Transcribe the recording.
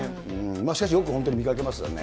しかしよく、本当に見かけますよね。